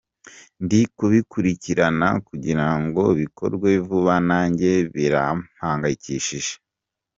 Ndi kubikurikirana kugira ngo bikorwe vuba nanjye birampangayikishije.